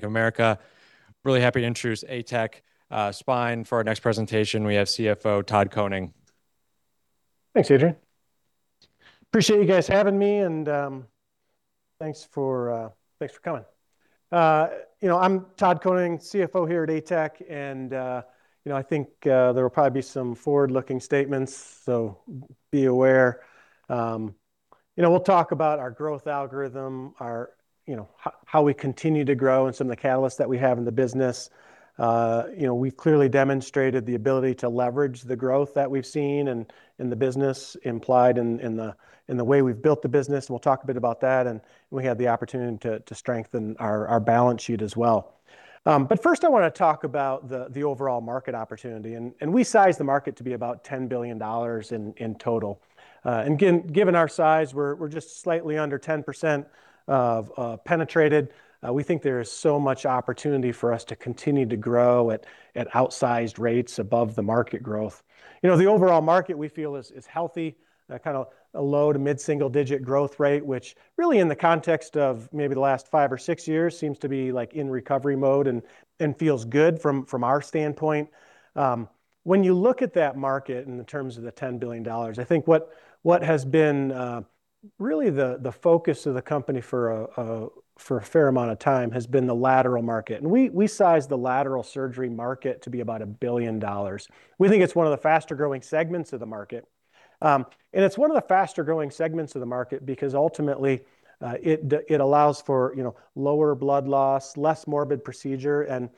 Bank of America. Really happy to introduce ATEC Spine. For our next presentation, we have CFO Todd Koning. Thanks, Adrian. Appreciate you guys having me, and thanks for coming. You know, I'm Todd Koning, CFO here at ATEC, and you know, I think there will probably be some forward-looking statements, so be aware. You know, we'll talk about our growth algorithm, our, you know, how we continue to grow and some of the catalysts that we have in the business. You know, we've clearly demonstrated the ability to leverage the growth that we've seen in the way we've built the business, and we'll talk a bit about that, and we have the opportunity to strengthen our balance sheet as well. First I want to talk about the overall market opportunity, and we size the market to be about $10 billion in total. Given our size, we're just slightly under 10% of penetrated. We think there is so much opportunity for us to continue to grow at outsized rates above the market growth. You know, the overall market, we feel is healthy, kind of a low to mid-single digit growth rate, which really in the context of maybe the last 5 or six years seems to be, like, in recovery mode and feels good from our standpoint. When you look at that market in terms of the $10 billion, I think what has been really the focus of the company for a fair amount of time has been the lateral market. We size the lateral surgery market to be about $1 billion. We think it's one of the faster-growing segments of the market. It's one of the faster-growing segments of the market because ultimately, it allows for, you know, lower blood loss, less morbid procedure, and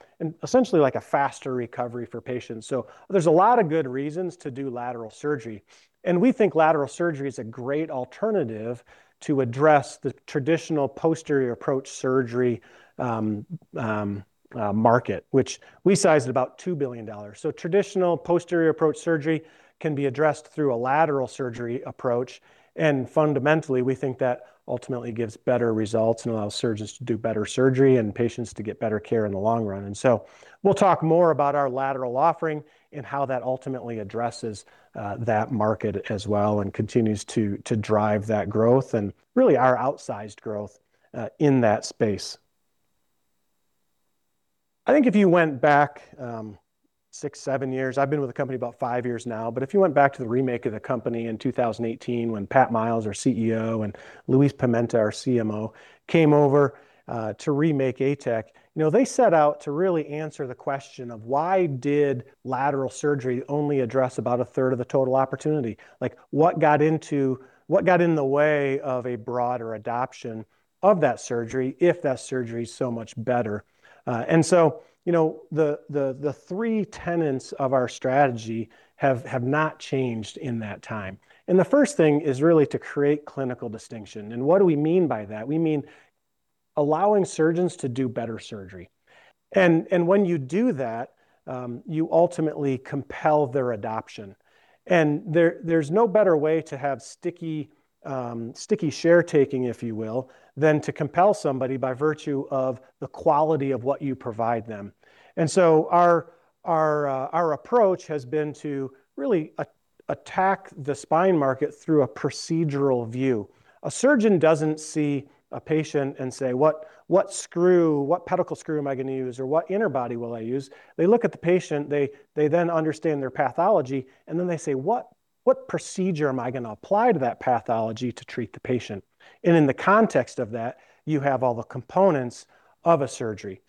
essentially like a faster recovery for patients. There's a lot of good reasons to do lateral surgery. We think lateral surgery is a great alternative to address the traditional posterior approach surgery market, which we size at about $2 billion. Traditional posterior approach surgery can be addressed through a lateral surgery approach, and fundamentally, we think that ultimately gives better results and allows surgeons to do better surgery and patients to get better care in the long run. We'll talk more about our lateral offering and how that ultimately addresses that market as well and continues to drive that growth and really our outsized growth in that space. I think if you went back, six, seven years, I've been with the company about five years now, but if you went back to the remake of the company in 2018 when Pat Miles, our CEO, and Luiz Pimenta, our CMO, came over to remake ATEC, you know, they set out to really answer the question of why did lateral surgery only address about a third of the total opportunity? Like, what got in the way of a broader adoption of that surgery if that surgery is so much better? You know, the three tenants of our strategy have not changed in that time. The first thing is really to create clinical distinction, and what do we mean by that? We mean allowing surgeons to do better surgery. When you do that, you ultimately compel their adoption. There's no better way to have sticky share taking, if you will, than to compel somebody by virtue of the quality of what you provide them. Our approach has been to really attack the spine market through a procedural view. A surgeon doesn't see a patient and say, "What screw, what pedicle screw am I going to use?" Or, "What interbody will I use?" They look at the patient, they then understand their pathology, and then they say, "What, what procedure am I going to apply to that pathology to treat the patient?" In the context of that, you have all the components of a surgery.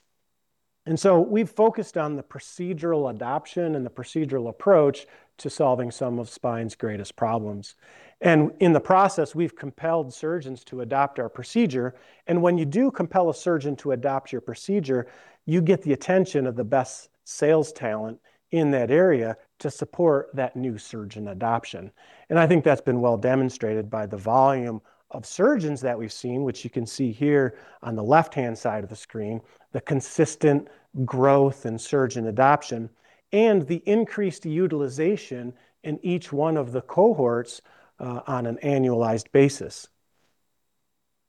We've focused on the procedural adoption and the procedural approach to solving some of spine's greatest problems. In the process, we've compelled surgeons to adopt our procedure, and when you do compel a surgeon to adopt your procedure, you get the attention of the best sales talent in that area to support that new surgeon adoption. I think that's been well demonstrated by the volume of surgeons that we've seen, which you can see here on the left-hand side of the screen, the consistent growth in surgeon adoption and the increased utilization in each 1 of the cohorts, on an annualized basis.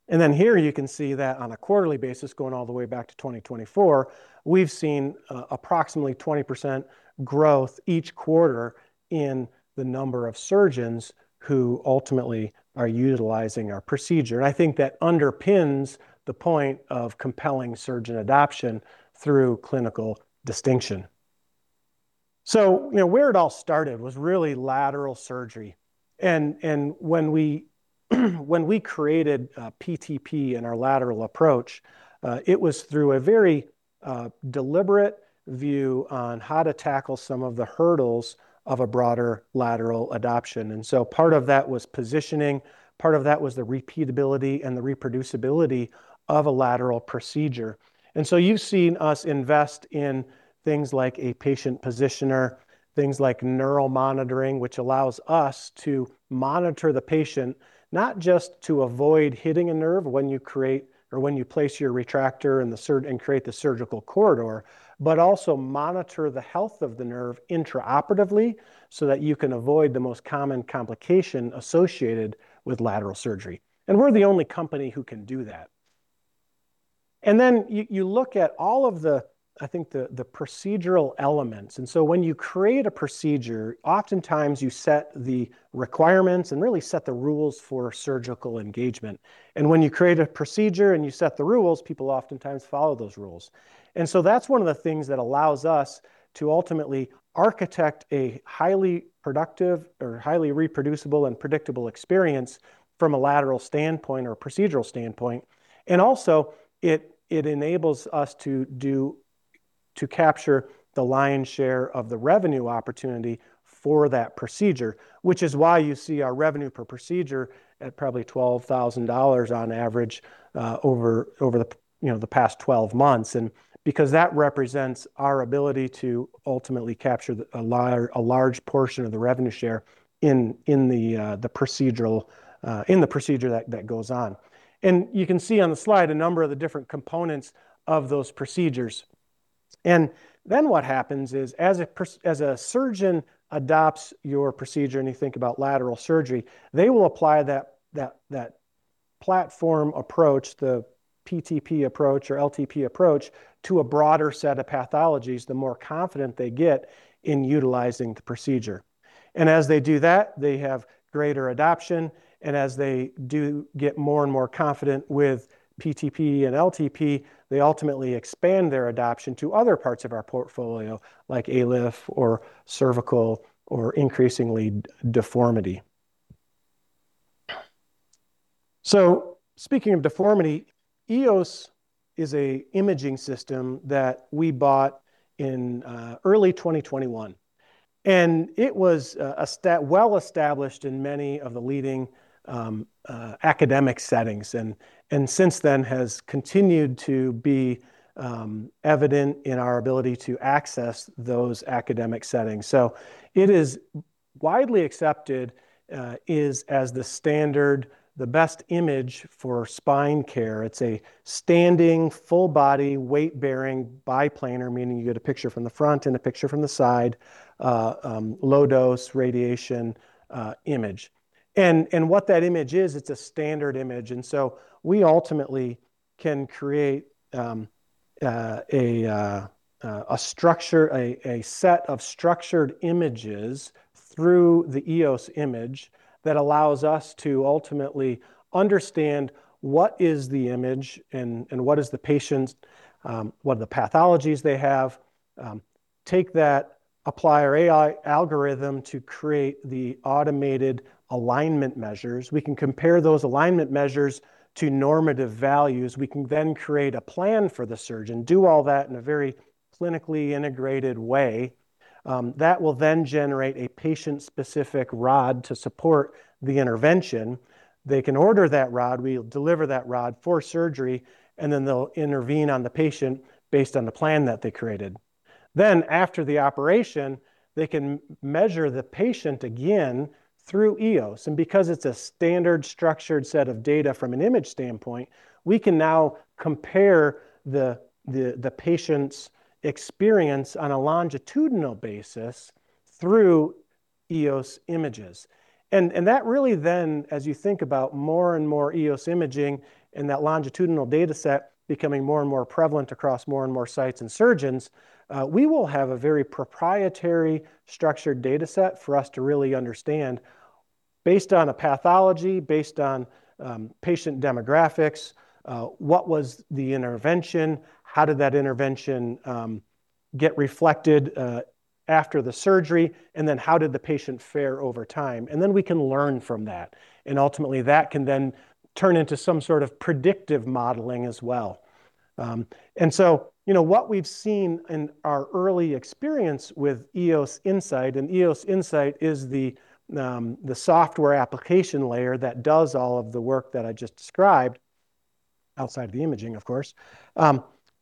Here you can see that on a quarterly basis, going all the way back to 2024, we've seen approximately 20% growth each quarter in the number of surgeons who ultimately are utilizing our procedure. I think that underpins the point of compelling surgeon adoption through clinical distinction. You know, where it all started was really lateral surgery. When we, when we created PTP and our lateral approach, it was through a very deliberate view on how to tackle some of the hurdles of a broader lateral adoption. Part of that was positioning, part of that was the repeatability and the reproducibility of a lateral procedure. You've seen us invest in things like a patient positioner, things like neuromonitoring, which allows us to monitor the patient, not just to avoid hitting a nerve when you create or when you place your retractor and create the surgical corridor, but also monitor the health of the nerve intraoperatively, so that you can avoid the most common complication associated with lateral surgery. We're the only company who can do that. Then you look at all of the, I think the procedural elements. When you create a procedure, oftentimes you set the requirements and really set the rules for surgical engagement. When you create a procedure and you set the rules, people oftentimes follow those rules. That's one of the things that allows us to ultimately architect a highly productive or highly reproducible and predictable experience from a lateral standpoint or procedural standpoint. It enables us to capture the lion's share of the revenue opportunity for that procedure, which is why you see our revenue per procedure at probably $12,000 on average over the, you know, past twelve months. Because that represents our ability to ultimately capture a large portion of the revenue share in the procedure that goes on. You can see on the slide a number of the different components of those procedures. What happens is as a surgeon adopts your procedure and you think about lateral surgery, they will apply that platform approach, the PTP approach or LTP approach, to a broader set of pathologies the more confident they get in utilizing the procedure. As they do that, they have greater adoption and as they do get more and more confident with PTP and LTP, they ultimately expand their adoption to other parts of our portfolio like ALIF or cervical or increasingly deformity. Speaking of deformity, EOS is a imaging system that we bought in early 2021. It was well established in many of the leading academic settings and since then has continued to be evident in our ability to access those academic settings. It is widely accepted, is as the standard, the best image for spine care. It's a standing full body weight-bearing biplanar, meaning you get a picture from the front and a picture from the side, low-dose radiation image. What that image is, it's a standard image. We ultimately can create a set of structured images through the EOS image that allows us to ultimately understand what is the image and what is the patient's, what are the pathologies they have, take that, apply our AI algorithm to create the automated alignment measures. We can compare those alignment measures to normative values. We can then create a plan for the surgeon, do all that in a very clinically integrated way that will then generate a patient-specific rod to support the intervention. They can order that rod, we'll deliver that rod for surgery, and then they'll intervene on the patient based on the plan that they created. After the operation, they can measure the patient again through EOS. Because it's a standard structured set of data from an image standpoint, we can now compare the patient's experience on a longitudinal basis through EOS images. That really then as you think about more and more EOS imaging and that longitudinal dataset becoming more and more prevalent across more and more sites and surgeons, we will have a very proprietary structured dataset for us to really understand based on a pathology, based on patient demographics, what was the intervention, how did that intervention get reflected after the surgery, and then how did the patient fare over time. We can learn from that, and ultimately that can then turn into some sort of predictive modeling as well. You know, what we've seen in our early experience with EOS Insight, and EOS Insight is the software application layer that does all of the work that I just described outside of the imaging, of course,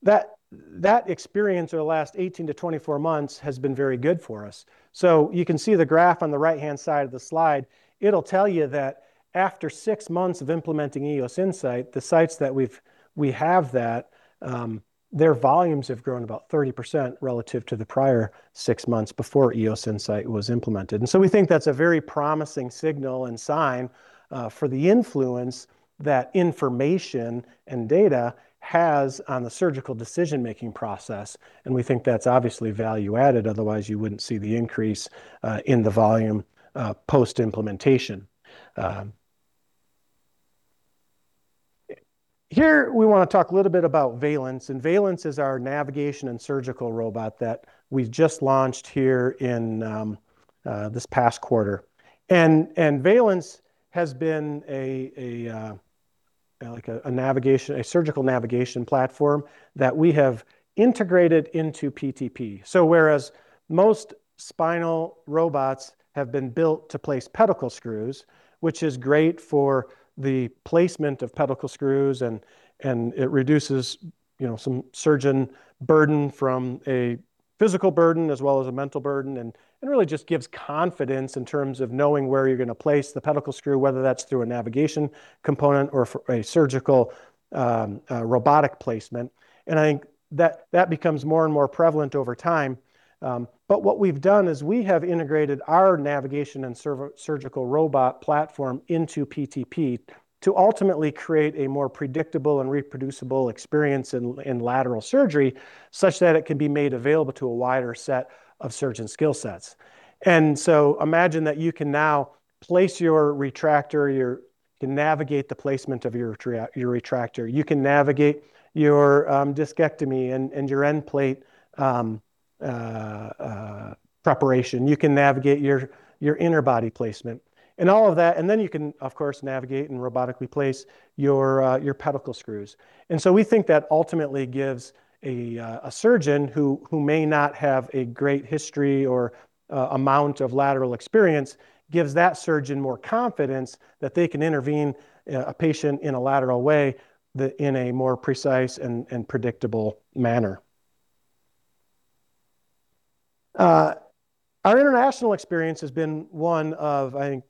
that experience over the last 18 to 24 months has been very good for us. You can see the graph on the right-hand side of the slide. It'll tell you that after six months of implementing EOS Insight, the sites that we have that, their volumes have grown about 30% relative to the prior six months before EOS Insight was implemented. We think that's a very promising signal and sign for the influence that information and data has on the surgical decision-making process, and we think that's obviously value added, otherwise you wouldn't see the increase in the volume post-implementation. Here we wanna talk a little bit about Valence, and Valence is our navigation and surgical robot that we've just launched here in this past quarter. Valence has been a like a navigation, a surgical navigation platform that we have integrated into PTP. Whereas most spinal robots have been built to place pedicle screws, which is great for the placement of pedicle screws and it reduces, you know, some surgeon burden from a physical burden as well as a mental burden, and it really just gives confidence in terms of knowing where you're gonna place the pedicle screw, whether that's through a navigation component or a surgical robotic placement. I think that becomes more and more prevalent over time. What we've done is we have integrated our navigation and surgical robot platform into PTP to ultimately create a more predictable and reproducible experience in lateral surgery such that it can be made available to a wider set of surgeon skill sets. Imagine that you can now place your retractor, you can navigate the placement of your retractor. You can navigate your discectomy and your endplate preparation. You can navigate your interbody placement and all of that, and then you can, of course, navigate and robotically place your pedicle screws. We think that ultimately gives a surgeon who may not have a great history or amount of lateral experience, gives that surgeon more confidence that they can intervene a patient in a lateral way, in a more precise and predictable manner. Our international experience has been one of, I think,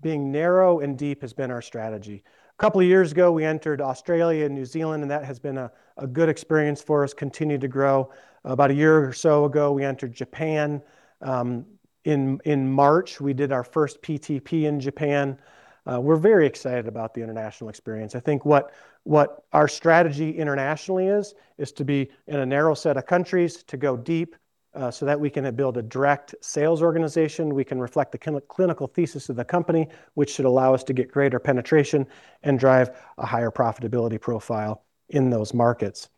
being narrow and deep has been our strategy. A couple of years ago, we entered Australia and New Zealand, and that has been a good experience for us, continued to grow. About a year or so ago, we entered Japan. In, in March, we did our first PTP in Japan. We're very excited about the international experience. I think what our strategy internationally is to be in a narrow set of countries to go deep, so that we can build a direct sales organization. We can reflect the clinical thesis of the company, which should allow us to get greater penetration and drive a higher profitability profile in those markets.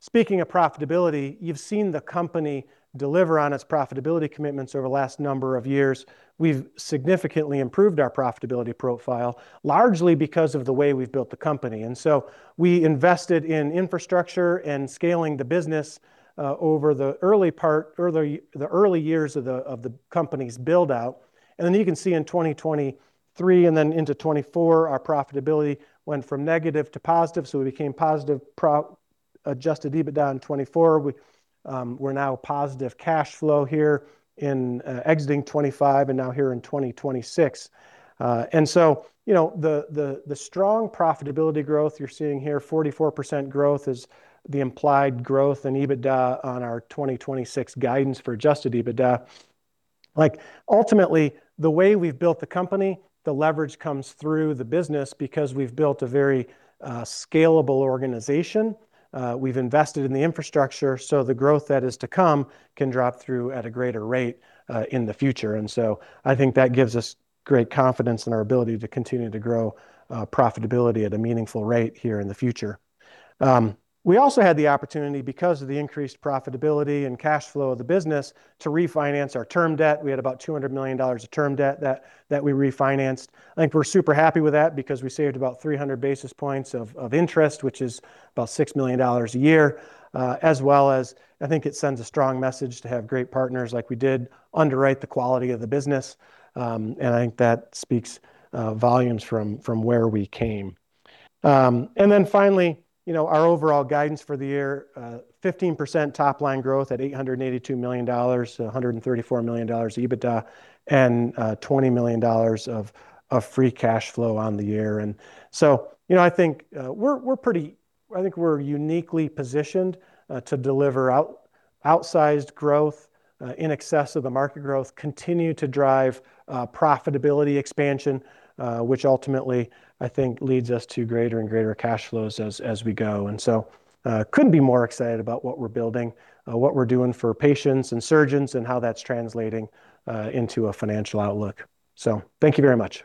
Speaking of profitability, you've seen the company deliver on its profitability commitments over the last number of years. We've significantly improved our profitability profile, largely because of the way we've built the company. We invested in infrastructure and scaling the business over the early years of the, of the company's build-out. You can see in 2023 and then into 2024, our profitability went from negative to positive, so we became positive adjusted EBITDA in 2024. We're now positive cash flow here in exiting 2025 and now here in 2026. You know, the strong profitability growth you're seeing here, 44% growth is the implied growth in EBITDA on our 2026 guidance for adjusted EBITDA. Like, ultimately, the way we've built the company, the leverage comes through the business because we've built a very scalable organization. We've invested in the infrastructure, so the growth that is to come can drop through at a greater rate in the future. I think that gives us great confidence in our ability to continue to grow profitability at a meaningful rate here in the future. We also had the opportunity, because of the increased profitability and cash flow of the business, to refinance our term debt. We had about $200 million of term debt that we refinanced. I think we're super happy with that because we saved about 300 basis points of interest, which is about $6 million a year, as well as I think it sends a strong message to have great partners like we did, underwrite the quality of the business, and I think that speaks volumes from where we came. Finally, you know, our overall guidance for the year, 15% top-line growth at $882 million, $134 million EBITDA and $20 million of free cash flow on the year. You know, I think we're uniquely positioned to deliver outsized growth in excess of the market growth, continue to drive profitability expansion, which ultimately, I think leads us to greater and greater cash flows as we go. Couldn't be more excited about what we're building, what we're doing for patients and surgeons and how that's translating into a financial outlook. Thank you very much.